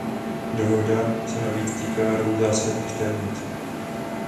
Dohoda se navíc týká dvou zásadních témat.